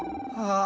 ああ。